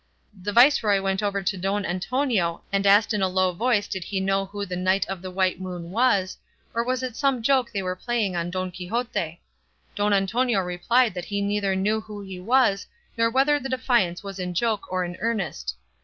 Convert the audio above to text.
The viceroy went over to Don Antonio, and asked in a low voice did he know who the Knight of the White Moon was, or was it some joke they were playing on Don Quixote. Don Antonio replied that he neither knew who he was nor whether the defiance was in joke or in earnest.